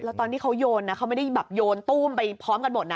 แล้วตอนที่เขาโยนนะเขาไม่ได้แบบโยนตู้มไปพร้อมกันหมดนะ